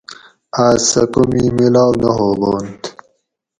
آس سہ کومی میلاؤ نہ ھوبانت